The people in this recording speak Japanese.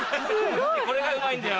これがうまいんだよ。